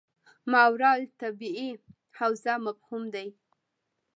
ماورا الطبیعي حوزه مفهوم دی.